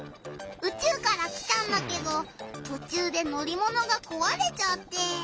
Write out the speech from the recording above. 宇宙から来たんだけどとちゅうでのりものがこわれちゃって。